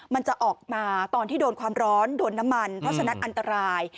มันจะออกมาตอนที่โดนความร้อนโดนน้ำมันเพราะฉะนั้นอันตราย